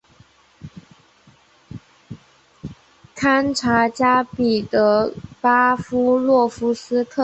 堪察加彼得巴夫洛夫斯克。